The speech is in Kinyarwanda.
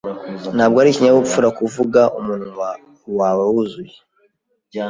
Ntabwo ari ikinyabupfura kuvuga umunwa wawe wuzuye.